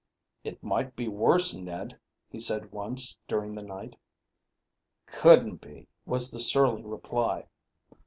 "It might be worse, Ned," he said once during the night. "Couldn't be," was the surly reply.